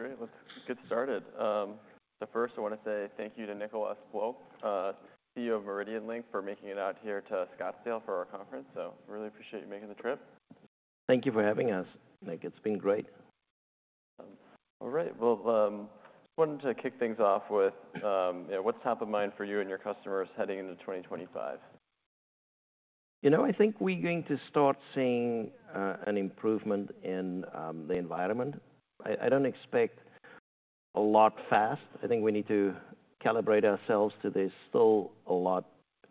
All right. Great. Let's get started. So first I want to say thank you to Nicolaas Vlok, CEO of MeridianLink, for making it out here to Scottsdale for our conference. So really appreciate you making the trip. Thank you for having us, Nick. It's been great. All right, well, I wanted to kick things off with, you know, what's top of mind for you and your customers heading into 2025? You know, I think we're going to start seeing an improvement in the environment. I don't expect a lot fast. I think we need to calibrate ourselves to there's still a lot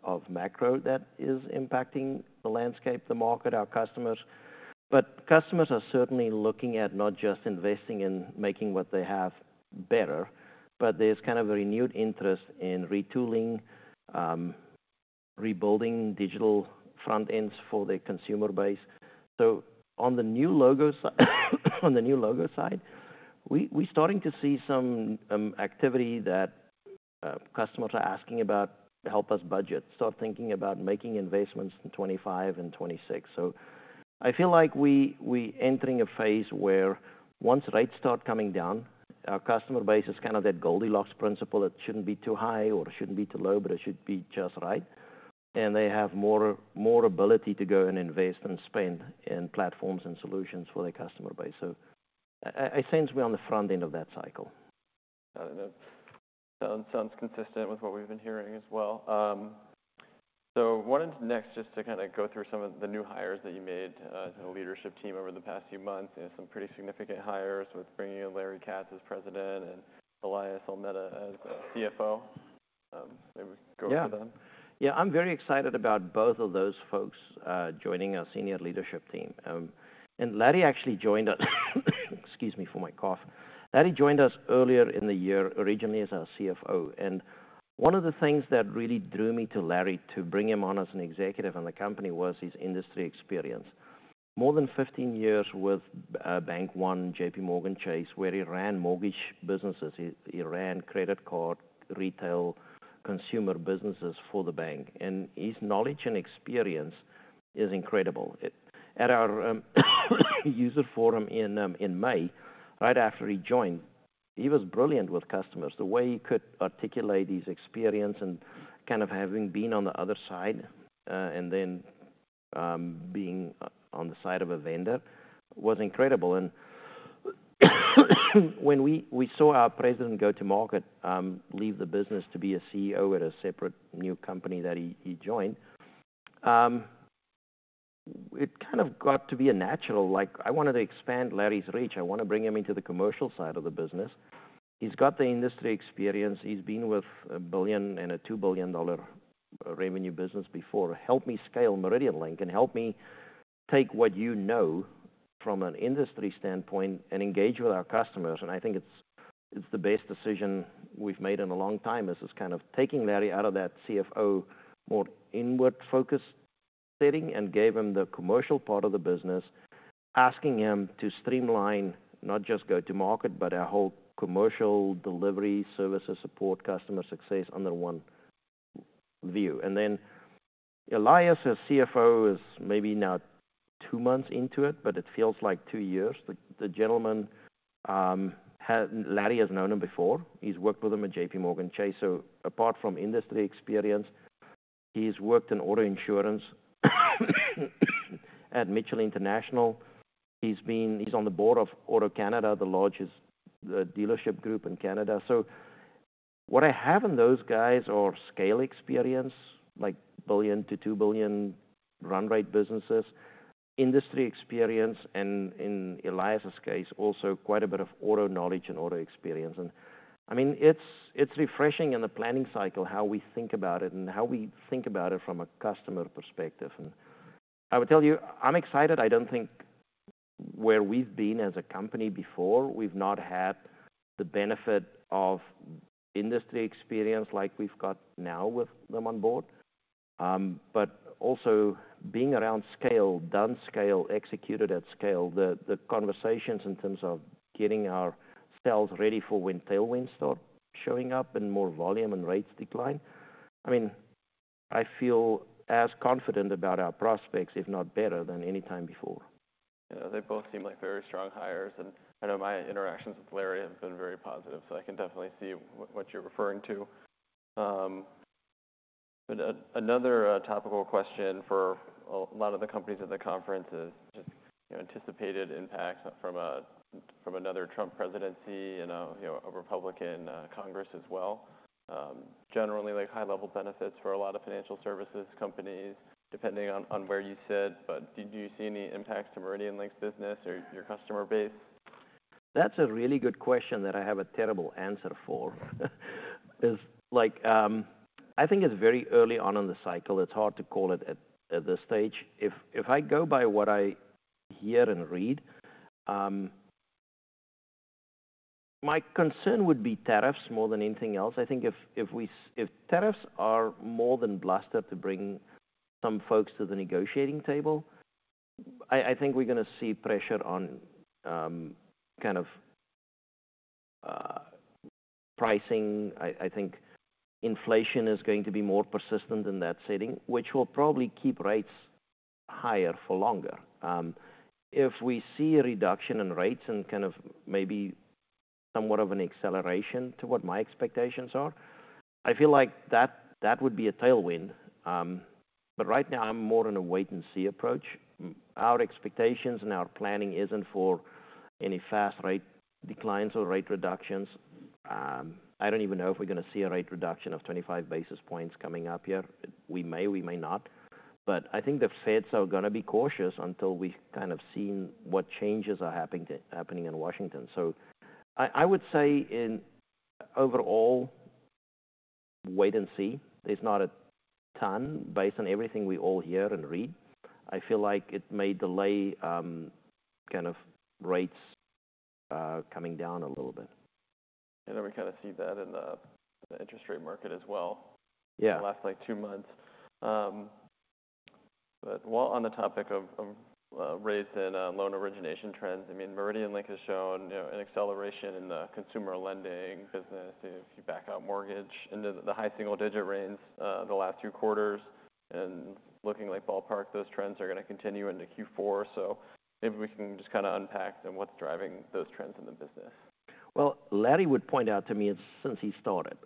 of macro that is impacting the landscape, the market, our customers. But customers are certainly looking at not just investing in making what they have better, but there's kind of a renewed interest in retooling, rebuilding digital front ends for their consumer base. So on the new logo side, we're starting to see some activity that customers are asking about to help us budget, start thinking about making investments in 2025 and 2026. So I feel like we're entering a phase where once rates start coming down, our customer base is kind of that Goldilocks principle that shouldn't be too high or shouldn't be too low, but it should be just right. And they have more ability to go and invest and spend in platforms and solutions for their customer base. So I sense we're on the front end of that cycle. That sounds consistent with what we've been hearing as well. So I wanted next just to kind of go through some of the new hires that you made to the leadership team over the past few months. You know, some pretty significant hires with bringing in Larry Katz as President and Elias Olmeta as CFO. Maybe we could go over them. Yeah. Yeah. I'm very excited about both of those folks joining our senior leadership team, and Larry actually joined us—excuse me for my cough—Larry joined us earlier in the year originally as our CFO. And one of the things that really drew me to Larry, to bring him on as an executive in the company, was his industry experience. More than 15 years with Bank One, JPMorgan Chase, where he ran mortgage businesses. He, he ran credit card, retail, consumer businesses for the bank. And his knowledge and experience is incredible. At our user forum in May, right after he joined, he was brilliant with customers. The way he could articulate his experience and kind of having been on the other side, and then being on the side of a vendor was incredible. And when we saw our president, go-to-market, leave the business to be a CEO at a separate new company that he joined, it kind of got to be a natural. Like, I wanted to expand Larry's reach. I want to bring him into the commercial side of the business. He's got the industry experience. He's been with a billion and a $2 billion revenue business before. Help me scale MeridianLink and help me take what you know from an industry standpoint and engage with our customers. And I think it's the best decision we've made in a long time, just kind of taking Larry out of that CFO more inward-focused setting and gave him the commercial part of the business, asking him to streamline not just go-to-market, but our whole commercial delivery services, support, customer success under one view. And then Elias, as CFO, is maybe now two months into it, but it feels like two years. The gentleman Larry has known him before. He's worked with him at JPMorgan Chase. So apart from industry experience, he's worked in auto insurance at Mitchell International. He's on the board of AutoCanada, the largest dealership group in Canada. So what I have in those guys are scale experience, like billion to $2 billion run rate businesses, industry experience, and in Elias's case, also quite a bit of auto knowledge and auto experience. And I mean, it's refreshing in the planning cycle how we think about it and how we think about it from a customer perspective. And I would tell you, I'm excited. I don't think where we've been as a company before, we've not had the benefit of industry experience like we've got now with them on board, but also being around scale, done scale, executed at scale, the conversations in terms of getting our sales ready for when tailwinds start showing up and more volume and rates decline. I mean, I feel as confident about our prospects, if not better, than any time before. Yeah. They both seem like very strong hires. And I know my interactions with Larry have been very positive, so I can definitely see what you're referring to. But another topical question for a lot of the companies at the conference is just, you know, anticipated impacts from another Trump presidency and a, you know, a Republican Congress as well. Generally, like, high-level benefits for a lot of financial services companies, depending on where you sit. But do you see any impacts to MeridianLink's business or your customer base? That's a really good question that I have a terrible answer for. It's like, I think it's very early on in the cycle. It's hard to call it at this stage. If I go by what I hear and read, my concern would be tariffs more than anything else. I think if we see tariffs are more than bluster to bring some folks to the negotiating table, I think we're gonna see pressure on, kind of, pricing. I think inflation is going to be more persistent in that setting, which will probably keep rates higher for longer. If we see a reduction in rates and kind of maybe somewhat of an acceleration to what my expectations are, I feel like that would be a tailwind. But right now, I'm more in a wait-and-see approach. Our expectations and our planning isn't for any fast rate declines or rate reductions. I don't even know if we're gonna see a rate reduction of 25 basis points coming up here. We may, we may not. But I think the Feds are gonna be cautious until we've kind of seen what changes are happening in Washington. So I would say in overall, wait and see. There's not a ton based on everything we all hear and read. I feel like it may delay, kind of rates, coming down a little bit. Yeah. And then we kind of see that in the interest rate market as well. Yeah. The last like two months, but while on the topic of rates and loan origination trends, I mean, MeridianLink has shown, you know, an acceleration in the consumer lending business if you back out mortgage into the high single-digit range, the last two quarters, and looking like ballpark, those trends are gonna continue into Q4, so maybe we can just kind of unpack what's driving those trends in the business. Larry would point out to me since he started,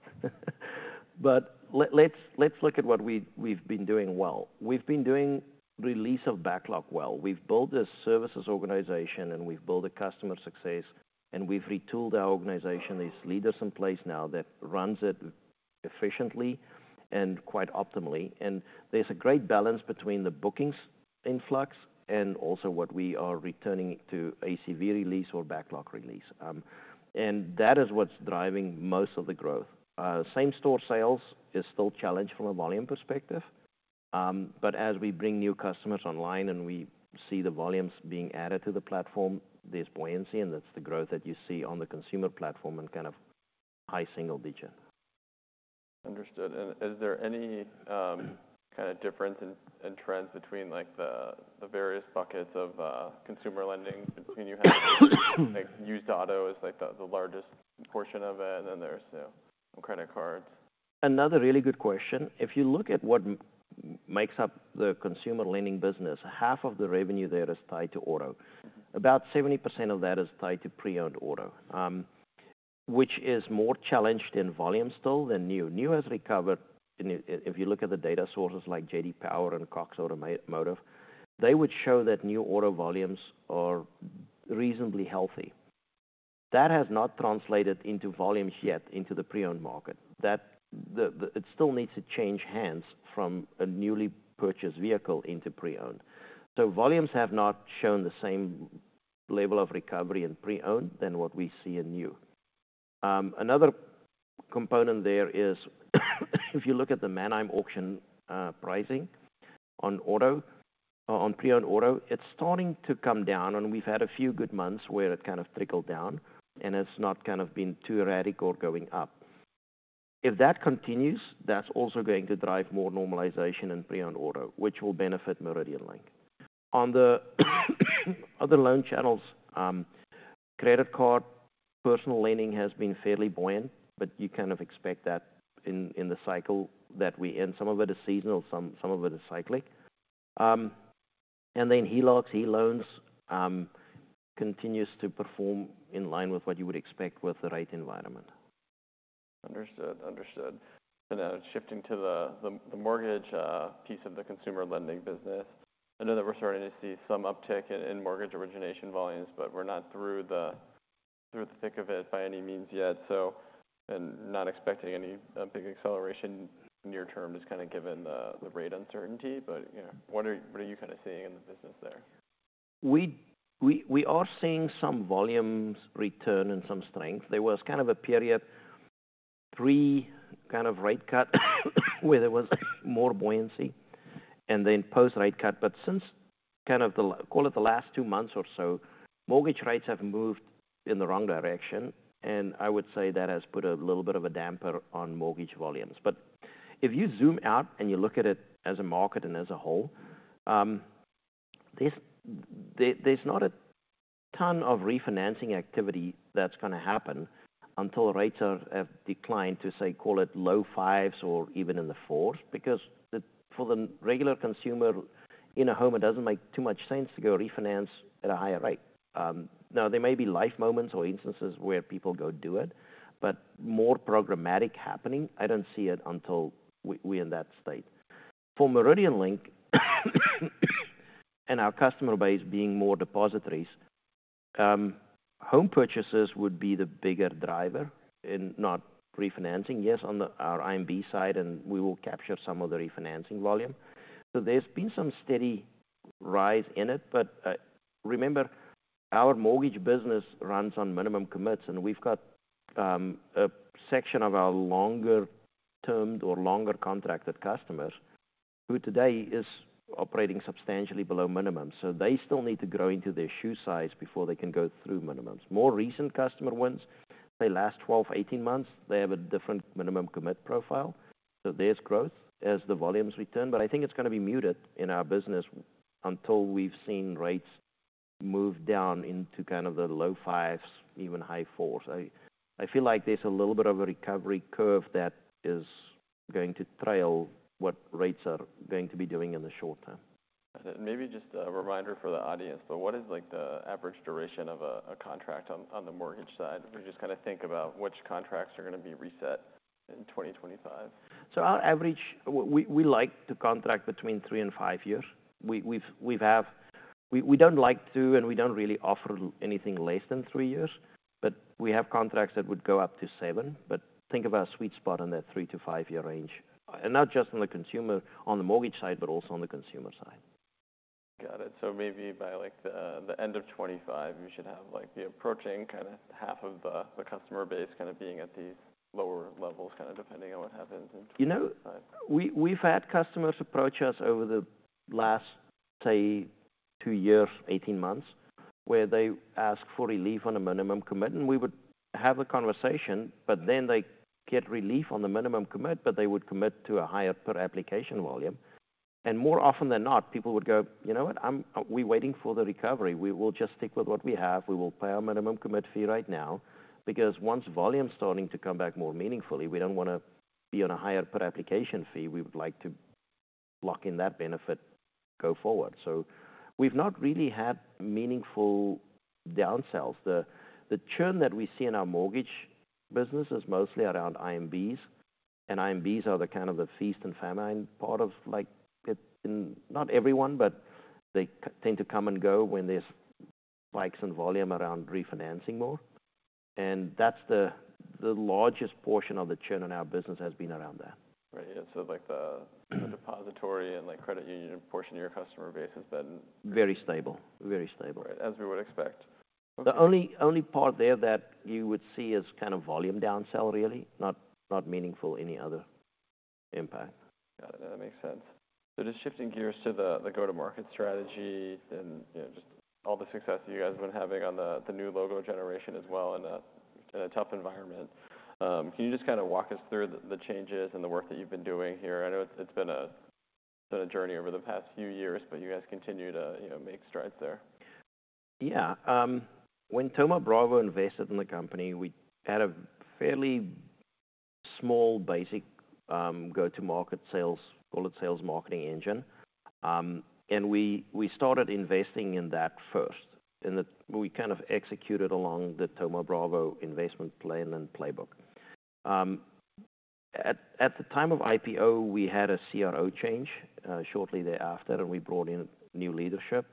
but let's look at what we've been doing well. We've been doing release of backlog well. We've built a services organization, and we've built a customer success, and we've retooled our organization. There's leaders in place now that runs it efficiently and quite optimally. And there's a great balance between the bookings influx and also what we are returning to ACV release or backlog release. That is what's driving most of the growth. Same-store sales is still challenged from a volume perspective. But as we bring new customers online and we see the volumes being added to the platform, there's buoyancy, and that's the growth that you see on the consumer platform and kind of high single-digit. Understood. And is there any kind of difference in trends between, like, the various buckets of consumer lending? Between you have, like, used auto is, like, the largest portion of it, and then there's, you know, credit cards? Another really good question. If you look at what makes up the consumer lending business, half of the revenue there is tied to auto. About 70% of that is tied to pre-owned auto, which is more challenged in volume still than new. New has recovered. If you look at the data sources like J.D. Power and Cox Automotive, they would show that new auto volumes are reasonably healthy. That has not translated into volumes yet into the pre-owned market. That it still needs to change hands from a newly purchased vehicle into pre-owned. So volumes have not shown the same level of recovery in pre-owned than what we see in new. Another component there is if you look at the Manheim Auction, pricing on auto, on pre-owned auto, it's starting to come down. And we've had a few good months where it kind of trickled down, and it's not kind of been too erratic or going up. If that continues, that's also going to drive more normalization in pre-owned auto, which will benefit MeridianLink. On the other loan channels, credit card, personal lending has been fairly buoyant, but you kind of expect that in the cycle that we're in. Some of it is seasonal. Some of it is cyclic. And then HELOCs, HELOANs, continues to perform in line with what you would expect with the right environment. Understood. And now shifting to the mortgage piece of the consumer lending business. I know that we're starting to see some uptick in mortgage origination volumes, but we're not through the thick of it by any means yet. So and not expecting any big acceleration near term just kind of given the rate uncertainty. But, you know, what are you kind of seeing in the business there? We are seeing some volumes return and some strength. There was kind of a period, the kind of rate cut where there was more buoyancy and then post-rate cut. But since kind of call it the last two months or so, mortgage rates have moved in the wrong direction. And I would say that has put a little bit of a damper on mortgage volumes. But if you zoom out and you look at it as a market and as a whole, there's not a ton of refinancing activity that's gonna happen until rates have declined to, say, call it low fives or even in the fours. Because for the regular consumer in a home, it doesn't make too much sense to go refinance at a higher rate. Now, there may be life moments or instances where people go do it, but more programmatic happening, I don't see it until we, we're in that state. For MeridianLink and our customer base being more depositories, home purchases would be the bigger driver in not refinancing. Yes, on our IMB side, and we will capture some of the refinancing volume. So there's been some steady rise in it. But remember, our mortgage business runs on minimum commits, and we've got a section of our longer-termed or longer contracted customers who today is operating substantially below minimum. So they still need to grow into their shoe size before they can go through minimums. More recent customer ones, they last 12 months, 18 months. They have a different minimum commit profile. So there's growth as the volumes return. But I think it's gonna be muted in our business until we've seen rates move down into kind of the low fives, even high fours. I, I feel like there's a little bit of a recovery curve that is going to trail what rates are going to be doing in the short term. Maybe just a reminder for the audience, but what is, like, the average duration of a contract on the mortgage side? If we just kind of think about which contracts are gonna be reset in 2025. Our average, we like to contract between three and five years. We don't like to, and we don't really offer anything less than three years. We have contracts that would go up to seven. Think of our sweet spot in that three-to-five-year range. Not just on the consumer, on the mortgage side, but also on the consumer side. Got it. So maybe by, like, the end of 2025, you should have, like, approaching kind of half of the customer base kind of being at these lower levels, kind of depending on what happens in. You know, we've had customers approach us over the last, say, two years, 18 months, where they ask for relief on a minimum commit. And we would have the conversation, but then they get relief on the minimum commit, but they would commit to a higher per-application volume. And more often than not, people would go, "You know what? We're waiting for the recovery. We will just stick with what we have. We will pay our minimum commit fee right now." Because once volume's starting to come back more meaningfully, we don't wanna be on a higher per-application fee. We would like to lock in that benefit, go forward. So we've not really had meaningful downsells. The churn that we see in our mortgage business is mostly around IMBs. IMBs are the kind of the feast and famine part of, like, it in not everyone, but they tend to come and go when there's spikes in volume around refinancing more. That's the largest portion of the churn in our business has been around that. Right. Yeah. So, like, the depository and, like, credit union portion of your customer base has been. Very stable. Very stable. Right. As we would expect. The only part there that you would see is kind of volume downsell, really. Not meaningful any other impact. Got it. That makes sense. So just shifting gears to the go-to-market strategy and, you know, just all the success that you guys have been having on the new logo generation as well in a tough environment. Can you just kind of walk us through the changes and the work that you've been doing here? I know it's been a journey over the past few years, but you guys continue to, you know, make strides there. Yeah. When Thoma Bravo invested in the company, we had a fairly small, basic, go-to-market sales, call it sales marketing engine. And we started investing in that first. And we kind of executed along the Thoma Bravo investment plan and playbook. At the time of IPO, we had a CRO change, shortly thereafter, and we brought in new leadership.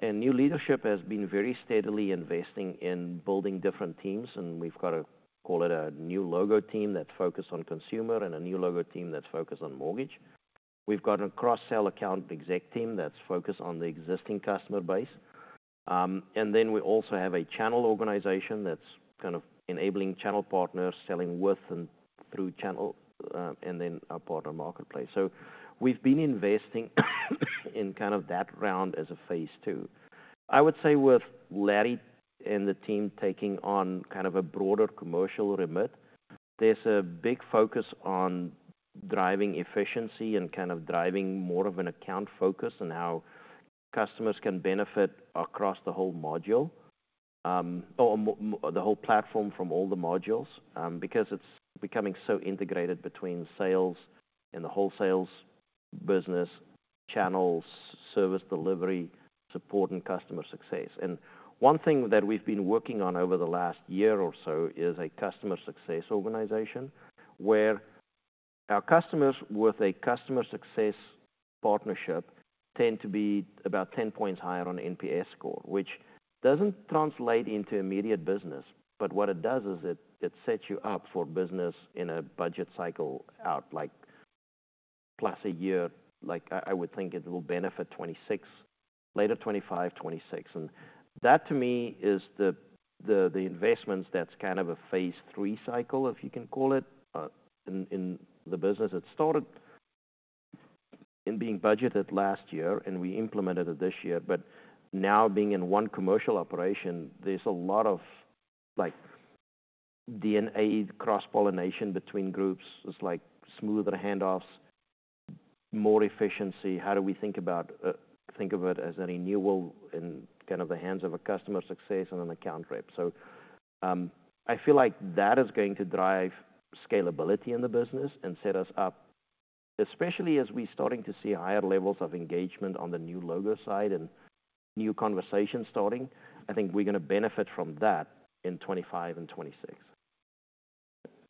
And new leadership has been very steadily investing in building different teams. And we've got a, call it a new logo team that's focused on consumer and a new logo team that's focused on mortgage. We've got a cross-sell account exec team that's focused on the existing customer base. And then we also have a channel organization that's kind of enabling channel partners, selling with and through channel, and then our partner marketplace. So we've been investing in kind of that round as a Phase 2. I would say with Larry and the team taking on kind of a broader commercial remit, there's a big focus on driving efficiency and kind of driving more of an account focus and how customers can benefit across the whole module, or the whole platform from all the modules, because it's becoming so integrated between sales and the wholesales business channels, service delivery, support, and customer success. And one thing that we've been working on over the last year or so is a customer success organization where our customers with a customer success partnership tend to be about 10 points higher on NPS score, which doesn't translate into immediate business. But what it does is it sets you up for business in a budget cycle out, like, plus a year. Like, I would think it will benefit 2026, later 2025, 2026. And that, to me, is the investments that's kind of a phase three cycle, if you can call it, in the business. It started in being budgeted last year, and we implemented it this year. But now, being in one commercial operation, there's a lot of, like, DNA cross-pollination between groups. It's like smoother handoffs, more efficiency. How do we think of it as a renewal in kind of the hands of a customer success and an account rep? So, I feel like that is going to drive scalability in the business and set us up, especially as we're starting to see higher levels of engagement on the new logo side and new conversations starting. I think we're gonna benefit from that in 2025 and 2026.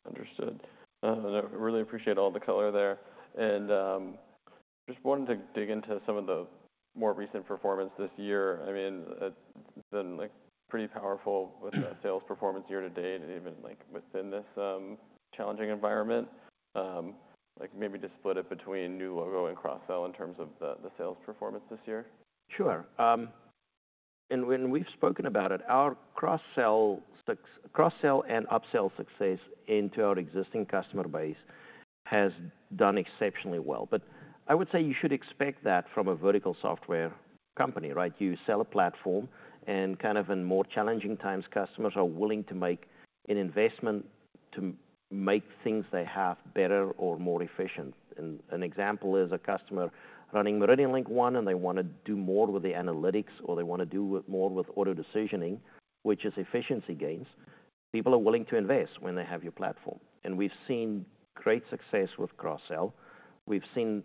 Understood. I really appreciate all the color there and just wanted to dig into some of the more recent performance this year. I mean, it's been, like, pretty powerful with the sales performance year to date and even, like, within this, challenging environment. Like, maybe just split it between new logo and cross-sell in terms of the sales performance this year. Sure. And when we've spoken about it, our cross-sell success, cross-sell and upsell success into our existing customer base has done exceptionally well. But I would say you should expect that from a vertical software company, right? You sell a platform, and kind of in more challenging times, customers are willing to make an investment to make things they have better or more efficient. An example is a customer running MeridianLink One, and they wanna do more with the analytics, or they wanna do more with auto decisioning, which is efficiency gains. People are willing to invest when they have your platform. And we've seen great success with cross-sell. We've seen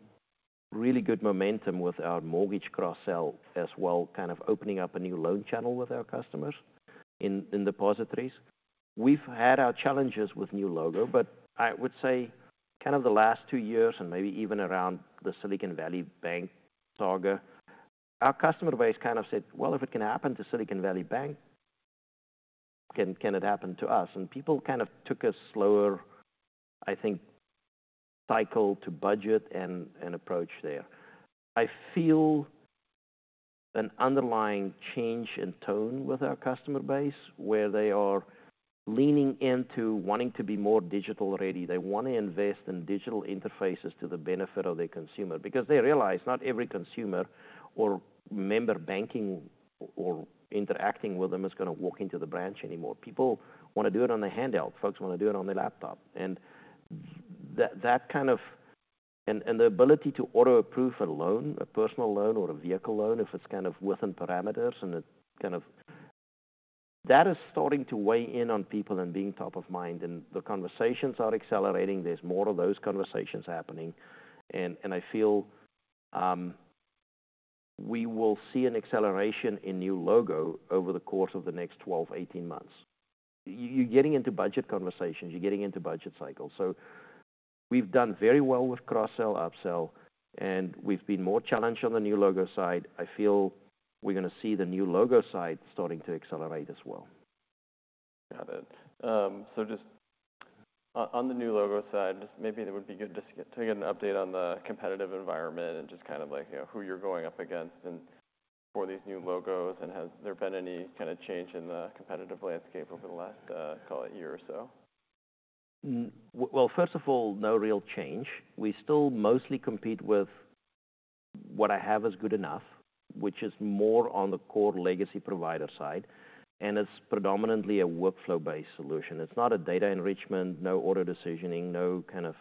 really good momentum with our mortgage cross-sell as well, kind of opening up a new loan channel with our customers in depositories. We've had our challenges with new logo, but I would say kind of the last two years and maybe even around the Silicon Valley Bank saga, our customer base kind of said, "Well, if it can happen to Silicon Valley Bank, can it happen to us?", and people kind of took a slower, I think, cycle to budget and approach there. I feel an underlying change in tone with our customer base where they are leaning into wanting to be more digital-ready. They wanna invest in digital interfaces to the benefit of their consumer because they realize not every consumer or member, banking or interacting with them, is gonna walk into the branch anymore. People wanna do it on the handout. Folks wanna do it on the laptop. And that kind of and the ability to auto-approve a loan, a personal loan or a vehicle loan, if it's kind of within parameters and it kind of that is starting to weigh in on people and being top of mind. And the conversations are accelerating. There's more of those conversations happening. And I feel we will see an acceleration in new logo over the course of the next 12 months-18 months. You're getting into budget conversations. You're getting into budget cycles. So we've done very well with cross-sell, upsell, and we've been more challenged on the new logo side. I feel we're gonna see the new logo side starting to accelerate as well. Got it. So just on the new logo side, just maybe it would be good just to get an update on the competitive environment and just kind of like, you know, who you're going up against and for these new logos. And has there been any kind of change in the competitive landscape over the last, call it, year or so? First of all, no real change. We still mostly compete with what I have is good enough, which is more on the core legacy provider side. And it's predominantly a workflow-based solution. It's not a data enrichment, no auto decisioning, no kind of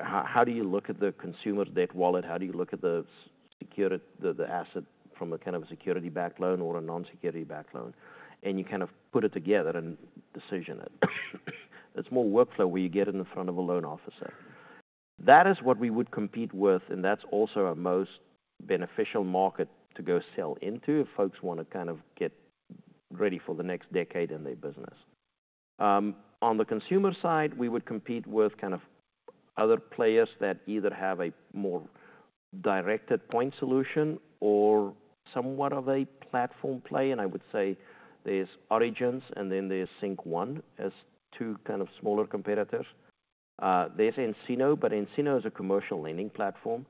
how do you look at the consumer debt wallet? How do you look at the security, the asset from a kind of a security-backed loan or a non-security-backed loan? And you kind of put it together and decision it. It's more workflow where you get in front of a loan officer. That is what we would compete with, and that's also our most beneficial market to go sell into if folks wanna kind of get ready for the next decade in their business. On the consumer side, we would compete with kind of other players that either have a more directed point solution or somewhat of a platform play. And I would say there's Origence, and then there's Sync1 as two kind of smaller competitors. There's nCino, but nCino is a commercial lending platform.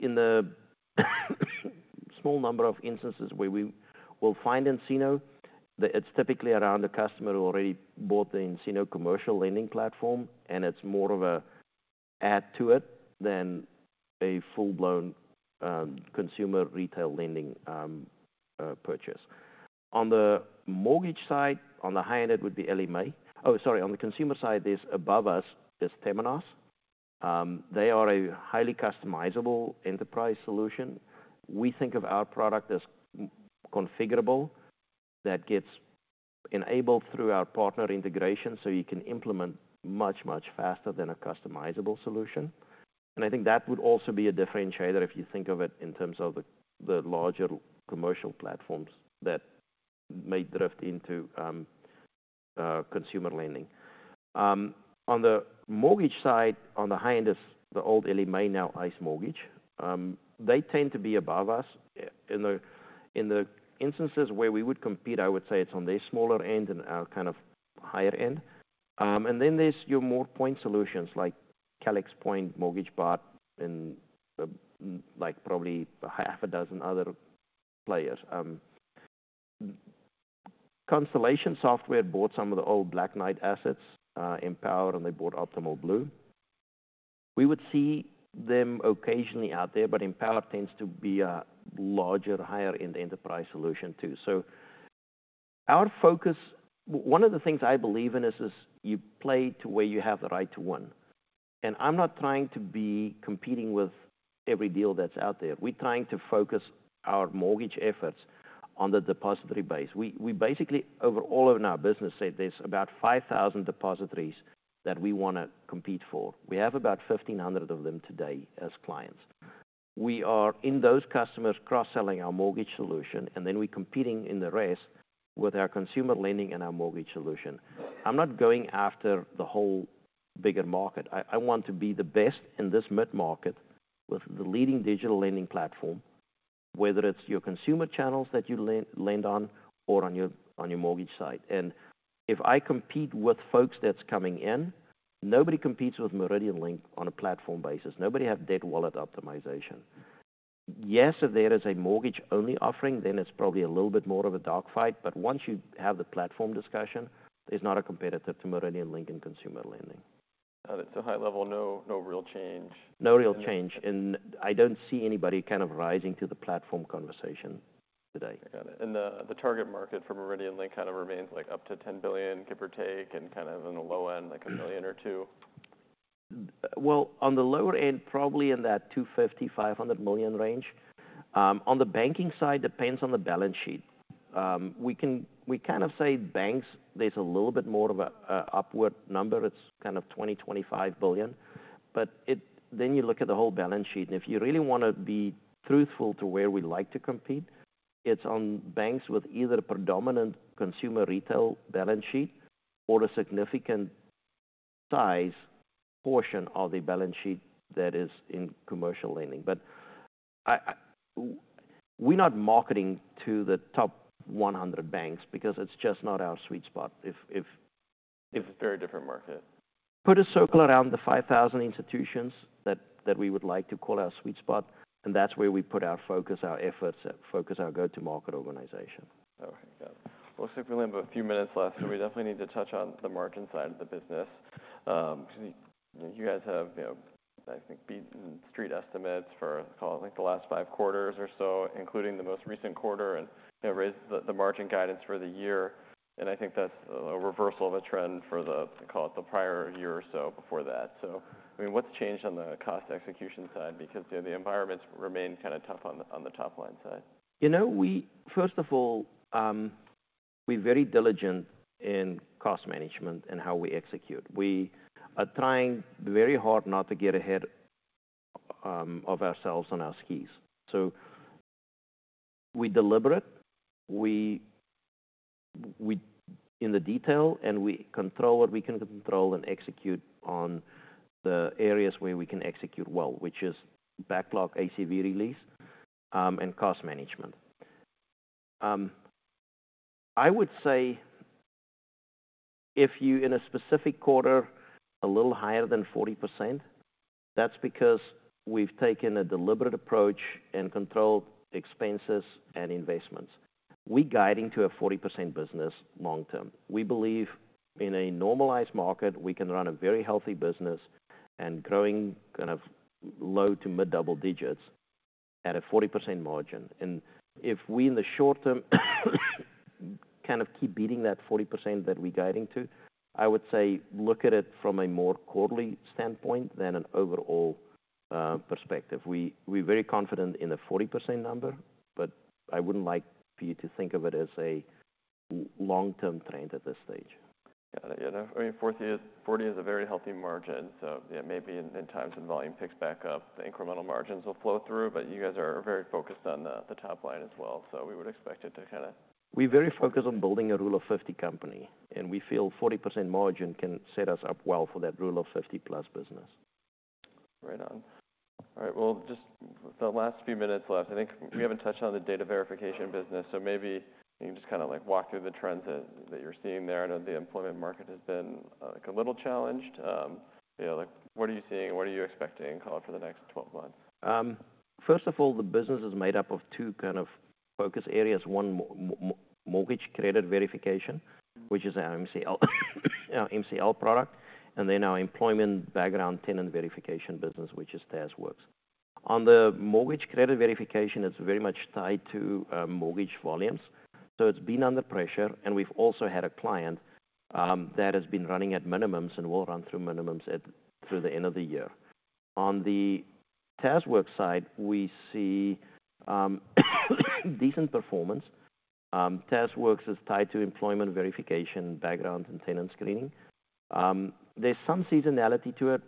In the small number of instances where we will find nCino, it's typically around a customer who already bought the nCino commercial lending platform, and it's more of an add to it than a full-blown consumer retail lending purchase. On the mortgage side, on the high-end, it would be Ellie Mae. Oh, sorry. On the consumer side, there's Abrigo. There's Temenos. They are a highly customizable enterprise solution. We think of our product as configurable that gets enabled through our partner integration so you can implement much, much faster than a customizable solution. And I think that would also be a differentiator if you think of it in terms of the larger commercial platforms that may drift into consumer lending. On the mortgage side, on the high end is the old Ellie Mae, now ICE Mortgage Technology. They tend to be above us. In the instances where we would compete, I would say it's on their smaller end and our kind of higher end, and then there's your more point solutions like Calyx Point, MortgageBot, and like probably half a dozen other players. Constellation Software bought some of the old Black Knight assets, Empower, and they bought Optimal Blue. We would see them occasionally out there, but Empower tends to be a larger, higher-end enterprise solution too, so our focus, one of the things I believe in is you play to where you have the right to win. I'm not trying to be competing with every deal that's out there. We're trying to focus our mortgage efforts on the depository base. We basically, over all of our business, said there's about 5,000 depositories that we wanna compete for. We have about 1,500 of them today as clients. We are in those customers cross-selling our mortgage solution, and then we're competing in the rest with our consumer lending and our mortgage solution. I'm not going after the whole bigger market. I want to be the best in this mid-market with the leading digital lending platform, whether it's your consumer channels that you lend on or on your mortgage side. If I compete with folks that's coming in, nobody competes with MeridianLink on a platform basis. Nobody has debt wallet optimization. Yes, if there is a mortgage-only offering, then it's probably a little bit more of a dogfight. But once you have the platform discussion, there's not a competitor to MeridianLink in consumer lending. Got it. So high level, no, no real change. No real change. And I don't see anybody kind of rising to the platform conversation today. Got it. And the target market for MeridianLink kind of remains like up to 10 billion, give or take, and kind of in the low end, like a million or two. On the lower end, probably in that $250 million-$500 million range. On the banking side, depends on the balance sheet. We can, we kind of say banks, there's a little bit more of an upward number. It's kind of $20 billion-$25 billion. But it, then you look at the whole balance sheet. And if you really wanna be truthful to where we like to compete, it's on banks with either a predominant consumer retail balance sheet or a significant size portion of the balance sheet that is in commercial lending. But we're not marketing to the top 100 banks because it's just not our sweet spot if. It's a very different market. Put a circle around the 5,000 institutions that we would like to call our sweet spot. That's where we put our focus, our efforts, our go-to-market organization. Okay. Got it. Looks like we only have a few minutes left, so we definitely need to touch on the margin side of the business. You guys have, you know, I think, beat street estimates for, call it, like the last five quarters or so, including the most recent quarter, and, you know, raised the, the margin guidance for the year. And I think that's a reversal of a trend for the, call it, the prior year or so before that. So, I mean, what's changed on the cost execution side? Because, you know, the environments remain kind of tough on the, on the top line side. You know, we, first of all, we're very diligent in cost management and how we execute. We are trying very hard not to get ahead of ourselves on our skis. So we deliberate. We delve into the detail, and we control what we can control and execute on the areas where we can execute well, which is backlog, ACV release, and cost management. I would say if you, in a specific quarter, a little higher than 40%, that's because we've taken a deliberate approach and controlled expenses and investments. We're guiding to a 40% business long-term. We believe in a normalized market, we can run a very healthy business and growing kind of low to mid-double digits at a 40% margin. If we, in the short term, kind of keep beating that 40% that we're guiding to, I would say look at it from a more quarterly standpoint than an overall perspective. We’re very confident in the 40% number, but I wouldn't like for you to think of it as a long-term trend at this stage. Got it. Yeah. I mean, 40%, 40% is a very healthy margin. So, yeah, maybe in times when volume picks back up, the incremental margins will flow through, but you guys are very focused on the top line as well. So we would expect it to kind of. We're very focused on building a Rule of 50 company, and we feel 40% margin can set us up well for that Rule of 50-plus business. Right on. All right. Well, just the last few minutes left. I think we haven't touched on the data verification business. So maybe you can just kind of like walk through the trends that you're seeing there. I know the employment market has been, like, a little challenged. You know, like, what are you seeing and what are you expecting, call it, for the next 12 months? First of all, the business is made up of two kind of focus areas. One, mortgage credit verification, which is our MCL product. And then our employment background tenant verification business, which is TazWorks. On the mortgage credit verification, it's very much tied to mortgage volumes. So it's been under pressure, and we've also had a client that has been running at minimums and will run through minimums through the end of the year. On the TazWorks side, we see decent performance. TazWorks is tied to employment verification, background, and tenant screening. There's some seasonality to it,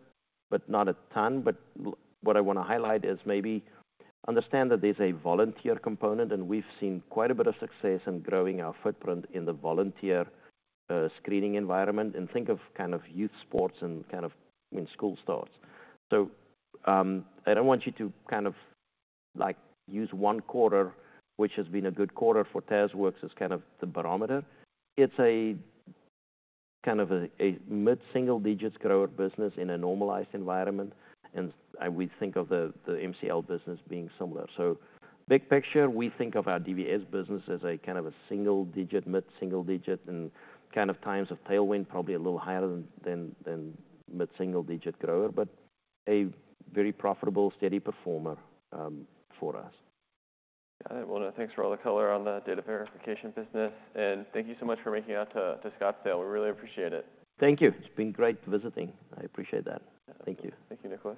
but not a ton. But what I wanna highlight is maybe understand that there's a volunteer component, and we've seen quite a bit of success in growing our footprint in the volunteer screening environment and think of kind of youth sports and kind of when school starts. So, I don't want you to kind of like use one quarter, which has been a good quarter for TazWorks as kind of the barometer. It's a kind of a mid-single-digits grower business in a normalized environment. And we think of the MCL business being similar. So big picture, we think of our DVS business as a kind of a single-digit, mid-single-digit in kind of times of tailwind, probably a little higher than mid-single-digit grower, but a very profitable, steady performer for us. Got it. Well, thanks for all the color on the data verification business. And thank you so much for making it out to Scottsdale. We really appreciate it. Thank you. It's been great visiting. I appreciate that. Thank you. Thank you, Nicolaas.